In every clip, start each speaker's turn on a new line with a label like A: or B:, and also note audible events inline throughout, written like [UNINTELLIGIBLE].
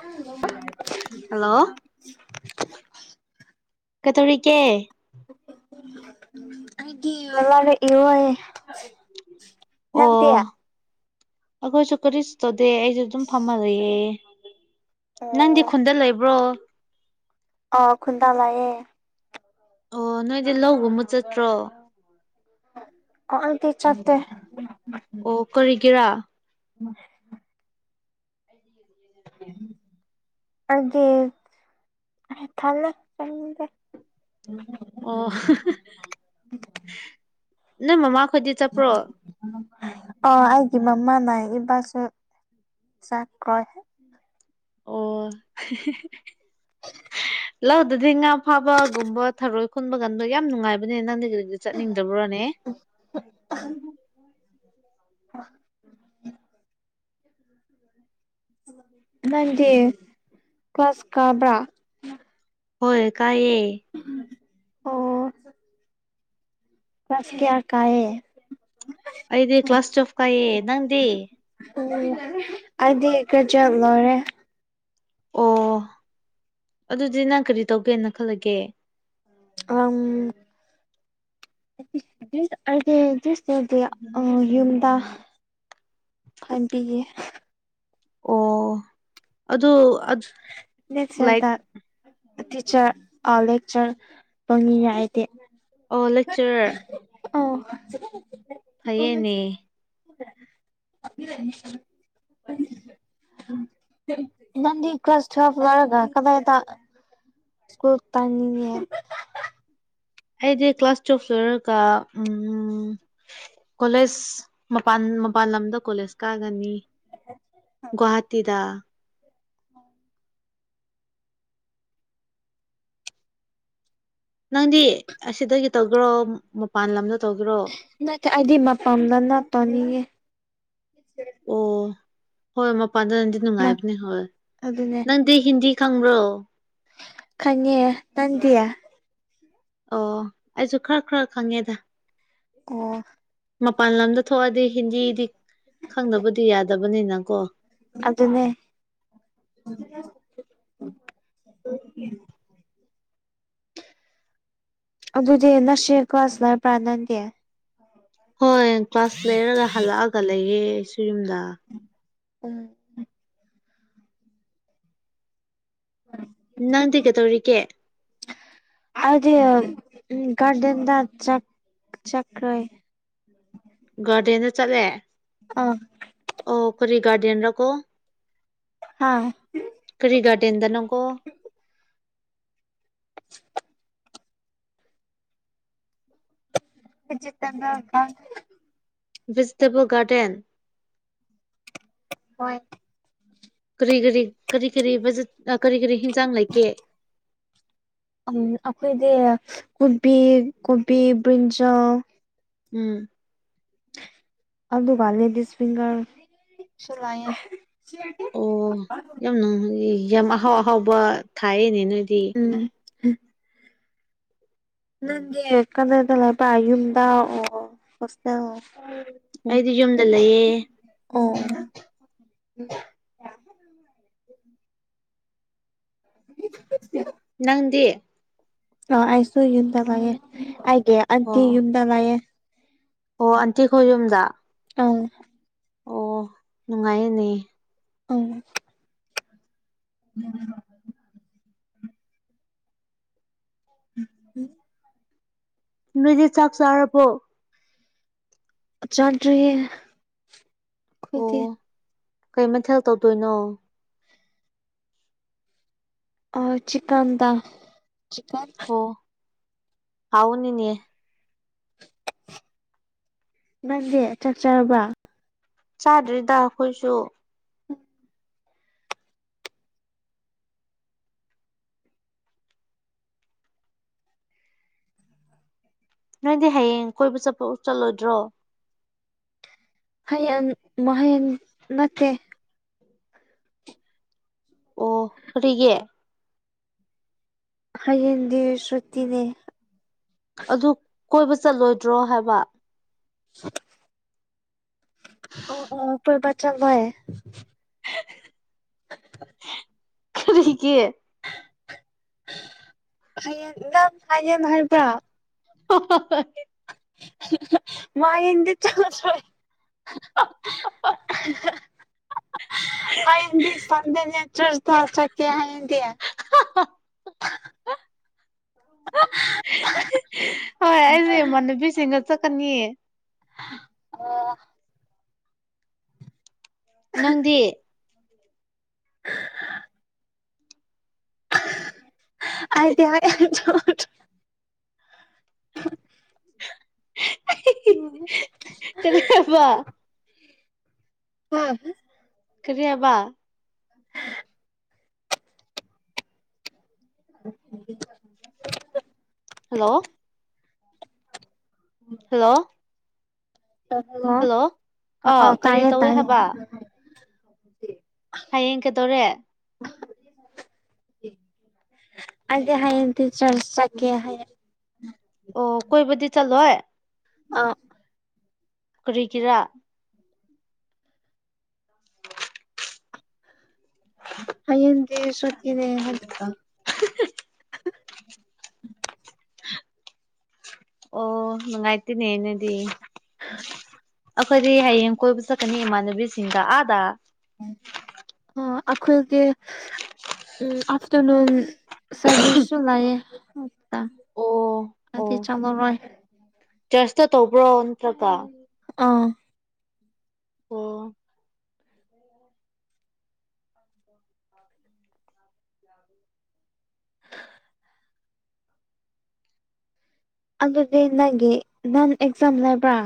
A: ꯑꯪ
B: hello ꯀꯩꯇꯧꯔꯤꯒꯦ
A: [UNINTELLIGIBLE] ꯋꯥꯂꯦ ꯏꯔꯣꯏꯌꯦ ꯅꯪꯗꯌꯥ
B: ꯑꯣ ꯑꯩꯈꯣꯏꯁꯨ ꯀꯔꯤꯁꯨ ꯇꯧꯗꯦ ꯑꯩꯁꯨ ꯑꯗꯨꯝ ꯐꯝꯃꯔꯑꯦ
A: ꯑꯣ
B: ꯅꯪꯗꯤ ꯈꯨꯟꯗ ꯂꯩꯕ꯭ꯔꯣ
A: ꯑ ꯈ ꯈꯨꯟꯗꯥ ꯂꯑꯌꯦ
B: ꯑꯣ ꯅꯣꯏꯗꯤ ꯂꯧꯒꯨꯝꯕꯨ ꯆꯠꯇ꯭ꯔꯣ
A: ꯑ ꯇ ꯆꯠꯇꯦ
B: ꯑꯣ ꯀꯔꯤꯒꯤꯦꯔꯥ
A: ꯎ
B: [UNINTELLIGIBLE]
A: ꯑꯩꯗꯤ ꯊꯜꯂꯦ ꯆꯥꯅꯤꯡꯗꯦ
B: ꯑꯣ [UNINTELLIGIBLE] ꯅꯣꯏ ꯃꯃꯥ ꯈꯣꯏꯗꯤ ꯆꯠꯄ꯭ꯔꯣ
A: ꯑꯣ ꯑꯩꯒꯤ ꯃꯃꯥꯅ ꯏꯕꯥꯁꯨ ꯆꯥꯛꯈ꯭ꯔꯣꯏ
B: [UNINTELLIGIBLE] ꯂꯧꯗꯗꯤ ꯉꯥ ꯐꯥꯕꯒꯨꯝꯕ ꯊꯔꯣꯏ ꯈꯨꯟꯕꯒꯟꯗꯣ ꯌꯥꯝ ꯅꯨꯡꯉꯥꯏꯕꯅꯦ ꯅꯪꯗꯤ ꯑꯗꯨ ꯆꯠꯅꯤꯡꯗꯕ꯭ꯔꯣꯅꯦ
A: [UNINTELLIGIBLE] ꯑ [UNINTELLIGIBLE] [UNINTELLIGIBLE] ꯑꯂ [INAUDIBLE] ꯅꯪꯗꯤ ꯀ꯭ꯂꯥꯁ ꯀꯥꯕ꯭ꯔꯥ
B: ꯍꯣꯏ ꯀꯥꯏꯌꯦ
A: ꯑꯣ ꯀ꯭ꯂꯥꯁ ꯀꯌꯥ ꯀꯥꯏꯌꯦ
B: ꯑꯩꯗꯤ ꯀ꯭ꯂꯥꯁ ꯇꯨꯋꯦꯜꯐ ꯀꯥꯏꯌꯦ ꯅꯪꯗꯤ
A: ꯑꯣ ꯑꯩꯗꯤ ꯒ꯭ꯔꯦꯖ꯭ꯋꯦꯗ ꯂꯣꯏꯔꯦ
B: ꯑꯣ ꯑꯗꯨꯗꯤ ꯅꯪ ꯀꯔꯤ ꯇꯧꯒꯦꯅ ꯈꯜꯂꯒꯦ
A: ꯑꯝ [UNINTELLIGIBLE] ꯍꯥꯏꯗꯤ [UNINTELLIGIBLE] ꯑ ꯌꯨꯝꯗ ꯍꯥꯏꯕꯤꯒꯦ
B: ꯑꯣ ꯑꯗꯨ ꯂꯥꯏꯛ
A: ꯅꯦꯛꯁꯦꯟꯇ ꯇꯤꯆꯔ ꯑ ꯂꯦꯛꯆꯔ ꯄꯪꯉꯤ ꯍꯥꯏꯗꯤ
B: ꯑꯣ ꯂꯦꯛꯆꯔꯔ
A: ꯑ [UNINTELLIGIBLE]
B: ꯐꯩꯌꯦꯅꯦ
A: ꯅꯪꯗꯤ ꯀ꯭ꯂꯥꯁ ꯇꯨꯋꯦꯜꯐ ꯂꯣꯏꯔꯒ ꯀꯗꯥꯏꯗ ꯁ꯭ꯀꯨꯜ ꯇꯥꯅꯤꯉꯦ
B: ꯑꯩꯗꯤ ꯀ꯭ꯂꯥꯁ ꯇꯨꯌꯦꯜꯐ ꯂꯣꯏꯔꯒ ꯎꯝ ꯎꯝ ꯀꯣꯂꯦꯖ ꯃꯄꯥꯟ ꯃꯄꯥꯟ ꯂꯝꯗ ꯀꯣꯂꯦꯖ ꯀꯥꯒꯅꯤ ꯒꯨꯋꯥꯍꯥꯇꯤꯗ
A: ꯎꯝ
B: ꯅꯪꯗꯤ ꯑꯁꯤꯗꯒꯤ ꯇꯧꯒꯦꯔꯣ ꯃꯄꯥꯟ ꯂꯝꯗ ꯇꯧꯒꯦꯔꯣ
A: ꯅꯠꯇꯦ ꯑꯩꯗꯤ ꯃꯄꯝꯗ ꯅꯠ ꯇꯣꯅꯤꯉꯦ
B: ꯑꯣ ꯍꯣꯏ ꯃꯄꯥꯟꯗ ꯅꯗꯤ ꯅꯨꯡꯉꯥꯏꯕꯅꯦ ꯍꯣꯏ ꯍꯣꯏ
A: ꯑꯗꯨꯅꯦ
B: ꯅꯪ ꯗꯤ ꯍꯤꯟꯗꯤ ꯈꯪꯕ꯭ꯔꯣ
A: ꯈꯪꯉꯦ ꯅꯟꯗꯤ
B: ꯑꯣ ꯑꯩꯁꯨ ꯈꯔ ꯈꯔ ꯈꯪꯉꯦꯗ
A: ꯑꯣ
B: ꯃꯄꯥꯟ ꯂꯝꯗ ꯊꯣꯛꯑꯗꯤ ꯍꯤꯟꯗꯤꯗꯤ ꯈꯪꯗꯅꯕꯗꯤ ꯌꯥꯗꯕꯅꯤꯅꯀꯣ
A: ꯑꯗꯨ ꯑꯗꯨꯅꯦ ꯑꯗꯨꯗꯤ ꯅꯁꯤ ꯀ꯭ꯂꯥꯁ ꯂꯩꯄ꯭ꯔꯥ ꯅꯟꯗꯤ
B: ꯍꯣꯏ ꯀ꯭ꯂꯥꯁ ꯂꯩꯔꯒ ꯍꯜꯂꯛꯑꯒ ꯂꯩꯌꯦ ꯑꯩꯁꯨ ꯌꯨꯝꯗ
A: ꯎꯝ
B: ꯅꯪꯗꯤ ꯀꯩꯗꯧꯔꯤꯒꯦ
A: ꯑꯗꯨꯗꯤ ꯎ ꯒꯥꯗꯦꯟꯗ ꯆ ꯆꯀ꯭ꯔ
B: ꯒꯥꯔꯗꯦꯟꯗ ꯆꯠꯂꯦ
A: ꯑꯥ
B: ꯑꯣ ꯈꯣꯏꯔꯤꯒꯒꯥꯔꯗꯤꯌꯟ ꯔꯀꯣ
A: ꯍꯥ
B: ꯀꯔꯤ ꯒꯥꯔꯗꯦꯟꯗ ꯅꯪꯀꯣ
A: [UNINTELLIGIBLE]
B: ꯕꯤꯖꯇꯦꯕꯜ ꯒꯥꯔꯗꯦꯟ꯫
A: ꯍꯣꯏ꯫
B: ꯀꯔꯤ ꯀꯔꯤ ꯀꯔꯤ ꯀꯔꯤ ꯕꯖꯠ ꯀꯔꯤ ꯀꯔꯤ ꯍꯤꯟꯖꯥꯡ ꯂꯩꯒꯦ꯫
A: ꯑ ꯑꯩꯈꯣꯏꯗꯤ ꯀꯣꯕꯤ ꯀꯣꯕꯤ ꯕ꯭ꯔꯤꯟꯖꯥꯜ
B: ꯎꯝ꯫
A: ꯑꯜꯗꯨꯚꯔꯦ ꯗꯤꯁ ꯐꯒꯔ ꯁ ꯂꯑꯦ
B: ꯑꯣ ꯌꯥꯝ ꯅꯨꯡ ꯌꯥꯝ ꯑꯍꯥꯎ ꯑꯍꯥꯎꯕ ꯊꯥꯏꯌꯦꯅꯦ ꯅꯣꯏꯗꯤ
A: ꯎꯝ ꯅꯪꯒꯤ ꯀꯗꯗ ꯂꯩꯕ ꯌꯨꯝꯗꯥ ꯑꯣ ꯐꯁ
B: ꯑꯩꯗꯤ ꯌꯨꯝꯗ ꯂꯩꯌꯦ
A: ꯑ [UNINTELLIGIBLE]
B: ꯅꯪꯗꯤ
A: ꯑ ꯑꯩꯁꯨ ꯌꯨꯝꯗ ꯂꯥꯌꯦ ꯑꯩꯒꯤ
B: ꯑꯣ
A: ꯑꯟꯇꯤ ꯌꯨꯝꯗ ꯂꯩꯌꯦ꯫
B: ꯑꯣ ꯑꯟꯇꯤꯈꯣꯏ ꯌꯨꯝꯗ꯫
A: ꯑꯥ
B: ꯑꯣ ꯅꯨꯡꯉꯥꯏꯅꯤ꯫
A: ꯑꯝ꯫ ꯎꯝ꯫ [UNINTELLIGIBLE]
B: ꯅꯣꯏꯗꯤ ꯆꯥꯛ ꯆꯥꯔꯕꯣ꯫
A: ꯆꯥꯗ꯭ꯔꯤꯌꯦ
B: ꯑꯣ
A: ꯑꯈꯣꯏꯗꯤ꯫
B: ꯀꯩ ꯃꯊꯦꯜ ꯇꯧꯗꯣꯏꯅꯣ꯫
A: ꯑ ꯆꯤꯀꯟ ꯇꯥꯢ ꯆꯤꯀꯟ
B: ꯑꯣ ꯍꯥꯎꯅꯤꯅꯦ꯫
A: ꯅꯪꯗꯤ ꯆꯥꯛ ꯆꯥꯔꯕ꯫
B: ꯆꯥꯗ꯭ꯔꯤꯗ ꯑꯈꯣꯏꯁꯨ꯫ ꯅꯣꯏꯗꯤ ꯍꯌꯦꯡ ꯀꯣꯏꯕ ꯆꯠꯄ ꯆꯠꯂꯣꯏꯗ꯭ꯔꯣ꯫
A: ꯍꯌꯦꯟ ꯅꯍꯟ ꯅꯠꯇꯦ꯫
B: ꯑꯣ ꯀꯔꯤꯒꯤ꯫
A: ꯍꯌꯦꯡꯗꯤ ꯁꯨꯇꯤꯅꯦ꯫
B: ꯑꯗꯨ ꯀꯣꯏꯕ ꯆꯠꯂꯣꯏꯗ꯭ꯔꯣ ꯍꯥꯏꯕ꯫
A: ꯑꯣ ꯑꯣ ꯀꯣꯏꯕ ꯆꯠꯂꯣꯏ꯫
B: [INAUDIBLE]
A: [INAUDIBLE]
B: ꯀꯔꯤ ꯒꯤ
A: ꯍꯌꯦꯡ ꯅꯪ ꯍꯌꯦꯡ ꯍꯥꯏꯕ꯭ꯔꯥ
B: [UNINTELLIGIBLE]
A: [UNINTELLIGIBLE] [UNINTELLIGIBLE] ꯍꯥꯏꯗꯤ ꯁꯟꯗꯦꯗ ꯆꯥꯛ ꯆꯥ ꯆꯠꯀꯦ ꯍꯥꯏꯔꯗꯤ꯫
B: [UNINTELLIGIBLE] ꯍꯣꯏ ꯑꯩꯁꯦ ꯏꯃꯥꯟꯅꯕꯤꯁꯤꯡꯒ ꯆꯠꯀꯅꯤ꯫
A: ꯑꯣ꯫
B: ꯅꯪꯗꯤ꯫
A: ꯑꯩꯗꯤ [UNINTELLIGIBLE] ꯑꯣ
B: ꯀꯔꯤ ꯍꯥꯢꯄ꯫
A: [UNINTELLIGIBLE]
B: ꯀꯔꯤ ꯍꯥꯏꯕ
A: [INAUDIBLE] [UNINTELLIGIBLE]
B: ꯍꯜꯂꯣ ꯍꯜꯂꯣ ꯍꯜꯂꯣ
A: [UNINTELLIGIBLE]
B: ꯑꯥ
A: ꯑꯣ
B: ꯀꯔꯤ
A: ꯇꯥꯏꯌꯦ
B: ꯇꯧꯋꯦ
A: ꯇꯥꯏꯌꯦ
B: ꯍꯥꯏꯕ ꯍꯌꯦꯡ ꯀꯩꯗꯧꯔꯦ
A: [UNINTELLIGIBLE] ꯑꯩꯗꯤ ꯍꯌꯦꯛꯗꯤ ꯆꯔꯁ ꯆꯠꯀꯦ ꯍꯥꯏꯌꯦ
B: ꯑꯣ ꯀꯣꯏꯕꯗꯤ ꯆꯠꯂꯣꯏ
A: ꯑ
B: ꯀꯔꯤꯒꯤꯔꯥ
A: ꯍꯌꯦꯟꯗꯤ ꯁꯨꯠꯇꯤꯅꯦ [UNINTELLIGIBLE]
B: ꯑꯣ [UNINTELLIGIBLE]
A: [UNINTELLIGIBLE]
B: ꯑꯩꯈꯣꯏꯗꯤ ꯍꯌꯦꯡ ꯀꯣꯏꯕ ꯆꯠꯀꯅꯤ ꯏꯃꯥꯟꯅꯕꯤꯁꯤꯡꯗ ꯑꯥꯗ
A: ꯍ ꯑꯈꯣꯏꯒꯤ ꯎꯝ ꯑꯐꯇꯔꯅꯨꯟ ꯁꯔꯚꯤꯁꯁꯨ ꯂꯩꯑꯦ
B: ꯑꯣ
A: ꯍꯥꯏꯗꯤ ꯆꯠꯂꯔꯣꯏ
B: ꯆꯁꯇ ꯇꯧꯕ꯭ꯔꯣ ꯑꯣꯟꯇ꯭ꯔꯀ
A: ꯑꯥ
B: ꯑꯣ [UNINTELLIGIBLE]
A: [UNINTELLIGIBLE] ꯑꯗꯨꯗꯤ ꯅꯪꯒꯤ ꯅꯪ ꯑꯦꯛꯖꯥꯝ ꯂꯩꯕ꯭ꯔꯥ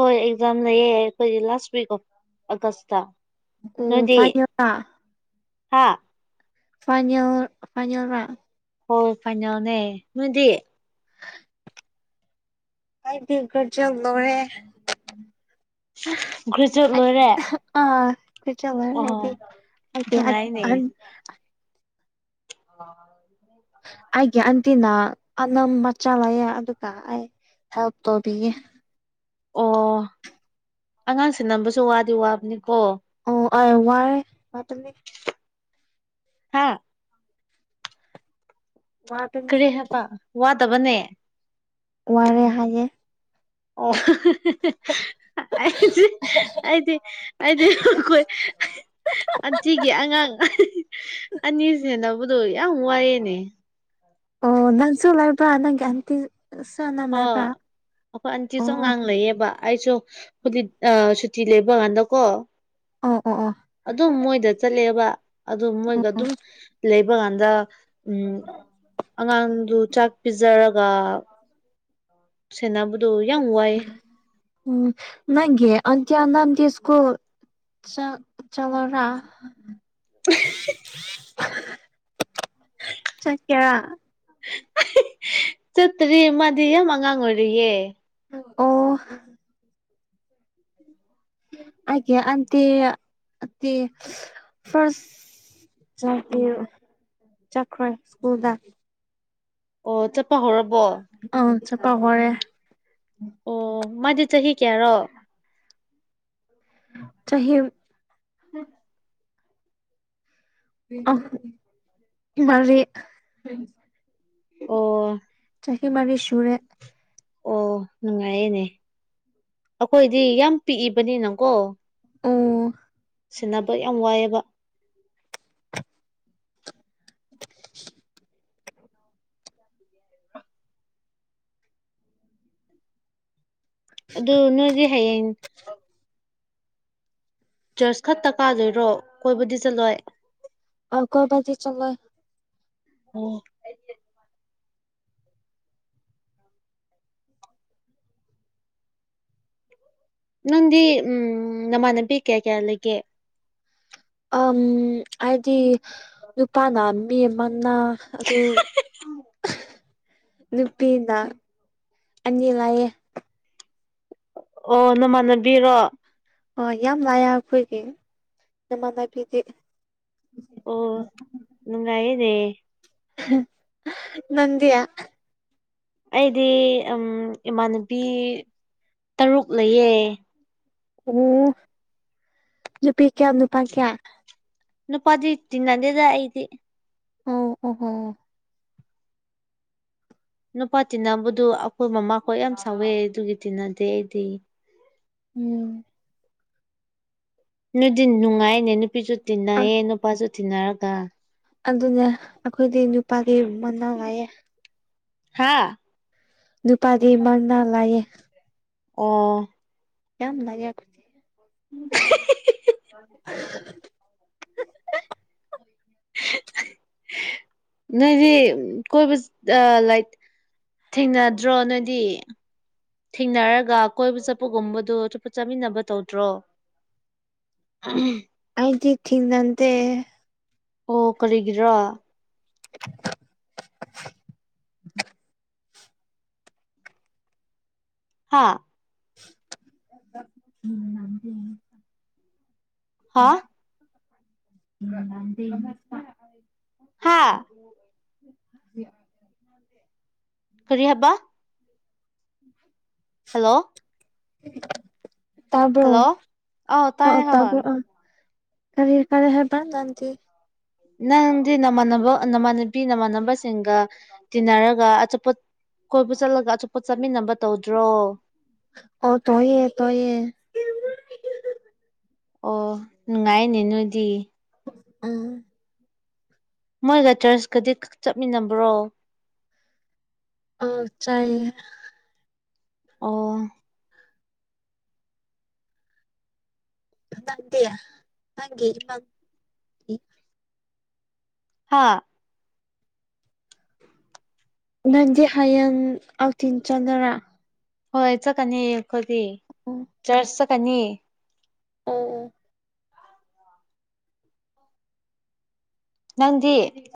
B: ꯍꯣꯏ ꯑꯦꯛꯖꯥꯝ ꯂ ꯑꯩꯏ ꯂꯥꯁ [UNINTELLIGIBLE] ꯑꯣꯐ ꯑꯒꯁ
A: ꯑꯣ [UNINTELLIGIBLE]
B: ꯍꯥꯥ
A: ꯐꯩꯅꯣ ꯐꯩꯅꯣꯡꯂ
B: ꯍꯣꯏ ꯐꯥꯏꯅꯦꯜꯅꯦ ꯅꯣꯏꯗꯤ
A: [UNINTELLIGIBLE]
B: ꯒ꯭ꯔꯦꯖꯨꯌꯦꯠ ꯂꯣꯏꯔꯦ ꯑꯣ ꯅꯨꯡꯉꯥꯏꯅꯦ
A: [UNINTELLIGIBLE]
B: ꯑ
A: ꯑꯩꯒꯤ ꯑꯟꯇꯤꯅ ꯑꯅꯝ ꯃꯆꯥ ꯂꯩꯌꯦ ꯑꯗꯨꯒ ꯑꯩ ꯍꯦꯜꯞ ꯇꯧꯕꯤꯌꯦ
B: ꯑꯣ ꯑꯉꯥꯡꯁꯦ ꯅꯝꯕꯁꯨ ꯋꯥꯗꯤ ꯋꯥꯕꯅꯤꯀꯣ
A: ꯑꯣ ꯑꯣ ꯋꯥꯏ ꯋꯥ [UNINTELLIGIBLE]
B: ꯍꯥ
A: ꯋꯥꯕꯅꯤ
B: ꯀꯔꯤ ꯍꯥꯏꯕ ꯋꯥꯗꯕꯅꯦ
A: ꯋꯥꯔꯦ ꯍꯥꯏꯌꯦ
B: ꯑꯣ ꯑꯩꯗꯤ ꯑꯩꯗꯤ ꯑꯩꯗꯤ ꯑꯩꯈꯣꯏ ꯑꯟꯇꯤꯒꯤ ꯑꯉꯥꯡ ꯑꯅꯤ ꯁꯅꯦꯅꯕꯗꯨ ꯌꯥꯝ ꯋꯥꯌꯦꯅꯦ
A: ꯑꯣ ꯅꯪꯁꯨ [UNINTELLIGIBLE]
B: ꯍꯣ
A: ꯂꯩꯕ꯭ꯔꯥ
B: ꯑꯩꯈꯣꯏ ꯑꯟꯇꯤꯁꯨ
A: ꯑꯣ
B: ꯑꯉꯥꯡ ꯂꯩꯌꯦꯕ ꯑꯩꯁꯨ ꯍꯗꯤ ꯑ ꯁꯨꯇꯤ ꯂꯦꯞꯄ ꯀꯥꯟꯗ ꯀꯣ
A: ꯑꯣ ꯑꯣ ꯑꯣ
B: ꯑꯗꯨꯝ ꯃꯣꯏꯗ ꯆꯠꯂꯦꯕ ꯑꯗꯨ ꯃꯣꯏꯒ
A: ꯑꯣ
B: ꯑꯗꯨꯝ ꯂꯩꯕ ꯀꯗ ꯎꯝ ꯑꯉꯥꯡꯗꯨ ꯆꯥꯛ ꯄꯤꯖꯔꯒ ꯁꯦꯕꯗꯣ ꯌꯥꯝ ꯋꯥꯏꯑ
A: [UNINTELLIGIBLE] ꯆꯥꯛ ꯆꯧꯔꯥ ꯆꯠ ꯀꯔ
B: ꯆꯠꯇ꯭ꯔꯤ ꯃꯥꯗꯤ ꯌꯥꯝ ꯑꯉꯥꯡ ꯑꯣꯏꯔꯤꯌꯦ
A: ꯑꯣ ꯑꯩꯒꯤ ꯑꯟꯇꯤ ꯇꯦ ꯐꯔꯁ ꯆꯠꯇꯤ ꯆꯠꯈꯔ꯭ꯦ ꯁ꯭ꯀꯨꯜꯗ
B: ꯑꯣ ꯆꯠꯄ ꯍꯧꯔꯕꯣ
A: ꯑ ꯆꯠꯄ ꯍꯧꯔꯦ
B: ꯑꯣ ꯃꯥꯗꯤ ꯆꯍꯤ ꯀꯌꯥꯔꯣ
A: ꯆ ꯆꯍꯤꯦ [UNINTELLIGIBLE]
B: ꯎꯝ [UNINTELLIGIBLE]
A: ꯑ ꯃꯥꯔꯤ
B: ꯑꯣ
A: ꯆꯥꯍꯤ ꯃꯔꯤ ꯁꯨꯔꯦ
B: ꯑꯣ ꯅꯨꯡꯉꯥꯏꯌꯦꯅꯦ ꯑꯩꯈꯣꯏꯗꯤ ꯌꯥꯝ ꯄꯤꯛꯏꯕꯅꯤꯅꯀꯣ
A: ꯑꯣ
B: ꯁꯦꯟꯅꯕ ꯌꯥꯝ ꯋꯥꯏꯑꯦꯕ ꯑ [UNINTELLIGIBLE] ꯑꯗꯨ ꯅꯣꯏꯗꯤ ꯍꯌꯦꯡ ꯆꯔꯁ ꯈꯛꯇ ꯀꯥꯗꯣꯏꯔꯣ ꯀꯣꯏꯕꯨꯗꯤ ꯆꯠꯂꯣꯏ
A: ꯑꯥꯎ ꯀꯣꯏꯐꯗꯤ ꯆꯠꯂꯣꯏ
B: ꯑꯣ ꯅꯪꯗꯤ ꯎꯝ ꯅꯥꯃꯟꯅꯕꯤ ꯀꯌꯥ ꯀꯌꯥ ꯂꯩꯒꯦ
A: ꯑꯥꯝ ꯍꯥꯏꯗꯤ ꯅꯨꯄꯥꯅ ꯃꯤ ꯑꯃꯅ ꯑꯗꯨ
B: ꯎꯝ
A: ꯅꯨꯄꯤꯅ ꯑꯅꯤ ꯂꯩꯌꯦ
B: ꯑꯣ ꯅꯃꯥꯟꯅꯕꯤꯔꯣ
A: ꯑꯣ ꯌꯥꯝ ꯂꯥꯛꯌꯦ ꯑꯩꯈꯣꯏꯒꯤ ꯏꯃꯥꯟꯅꯅꯥꯕꯤꯗꯤ
B: ꯑꯣ ꯅꯨꯡꯉꯥꯏꯌꯦꯅꯦ
A: ꯅꯪꯗꯤ
B: ꯑꯩꯗꯤ ꯏꯃꯥꯟꯅꯕꯤ ꯇꯔꯨꯛ ꯂꯩꯌꯦ
A: ꯎ ꯅꯨꯄꯤ ꯀꯌꯥ ꯅꯨꯄꯥ ꯀꯌꯥ
B: ꯅꯨꯄꯥꯗꯤ ꯇꯤꯟꯅꯗꯦꯗꯥ ꯑꯩꯗꯤ
A: ꯑꯣ ꯑꯣꯍꯣ
B: ꯅꯨꯄꯥ ꯇꯤꯟꯅꯕꯗꯨ ꯑꯩꯈꯣꯏ ꯃꯃꯥꯈꯣꯏ ꯌꯥꯝ ꯁꯥꯎꯋꯦ ꯑꯗꯨꯒꯤ ꯇꯤꯟꯅꯗꯦ ꯑꯩꯗꯤ
A: ꯎꯝ
B: ꯅꯨꯗꯤ ꯅꯨꯡꯉꯥꯏꯅꯦ ꯅꯨꯄꯤꯁꯨ ꯇꯤꯟꯅꯩꯌꯦ ꯅꯨꯄꯥꯁꯨ ꯇꯤꯟꯅꯔꯒ
A: ꯑꯗꯨꯅꯦ ꯑꯩꯈꯣꯏꯗꯤ ꯅꯨꯄꯥꯗꯤ ꯃꯅꯥ ꯂꯥꯏꯌꯦ
B: ꯍꯥꯥ
A: ꯅꯨꯄꯥꯗꯤ ꯃꯥꯡꯅꯥ ꯂꯥꯛꯌꯦꯦ
B: ꯑꯣ
A: ꯌꯥꯝ ꯔꯦꯌꯥ ꯈꯨ [UNINTELLIGIBLE]
B: ꯎ [INAUDIBLE]
A: [INAUDIBLE]
B: ꯅꯣꯏꯗꯤ ꯀꯣꯏꯕꯥ [UNINTELLIGIBLE] ꯊꯦꯡꯅꯗ꯭ꯔꯣ ꯅꯣꯏꯗꯤ ꯊꯦꯡꯅꯔꯒ ꯀꯣꯏꯕ ꯆꯠꯄꯒꯨꯝꯕꯗꯣ ꯑꯇꯨꯞꯞꯄ ꯆꯠꯃꯤꯟꯅꯕ ꯇꯧꯗ꯭ꯔꯣ ꯎꯝ
A: ꯑꯩꯗꯤ ꯏ ꯊꯤꯟꯗꯦ
B: ꯑꯣ ꯀꯔꯤꯒꯤꯔꯣ
A: [INAUDIBLE]
B: ꯍꯥꯥ ꯍꯥ
A: [INAUDIBLE] ꯎꯝ
B: ꯍꯥꯥ ꯐꯔꯤ ꯍꯕ
A: ꯎꯝ
B: ꯍꯜꯂꯣ
A: ꯇꯕ
B: ꯍꯜꯂꯣ ꯑꯥꯎ
A: ꯑ
B: ꯇꯥꯏ
A: ꯇꯄ
B: ꯍꯣꯏ
A: ꯑ ꯀꯔꯤ ꯀꯥꯔ ꯍꯥꯏꯕ ꯅꯗꯤ
B: ꯅꯪꯗꯤ ꯅꯃꯥꯟꯅꯕ ꯅꯃꯥꯟꯅꯕꯤ ꯅꯃꯥꯟꯅꯕꯁꯤꯡꯒ ꯇꯤꯟꯅꯔꯒ ꯑꯆꯣꯞꯄ ꯀꯣꯏꯕ ꯆꯠꯂꯒ ꯑꯆꯣꯄ ꯆꯠꯃꯤꯟꯅꯕ ꯇꯧꯗ꯭ꯔꯣ
A: ꯑꯣ ꯇꯣꯏꯌꯦ ꯇꯌꯦ
B: ꯑꯣ ꯅꯨꯡꯉꯥꯏꯅꯦ ꯅꯣꯏꯗꯤ
A: ꯎꯝ
B: ꯃꯣꯏꯒ ꯆꯔꯆꯀꯗꯤ ꯆꯠꯃꯤꯟꯅꯕ꯭ꯔꯣ
A: ꯑ ꯆꯥꯏꯌꯦ
B: ꯑꯣ
A: ꯅꯪꯗꯤ ꯅꯪꯒꯤ ꯅꯪ
B: ꯍꯥꯥ
A: ꯅꯪꯗꯤ ꯍꯌꯦꯡ ꯑꯥꯎꯊꯤꯟ ꯆꯅꯔꯥ
B: ꯍ ꯌꯥꯆ ꯀꯅꯤ ꯈꯗꯤ
A: ꯑꯣ
B: ꯆꯔꯁ ꯆꯠꯀꯅꯤ
A: ꯎꯝ ꯎꯝ
B: ꯅꯪꯗꯤ